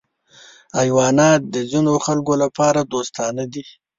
حیوانات د ځینو خلکو لپاره دوستان دي.